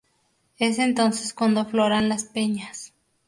Es entonces cuando afloran las peñas.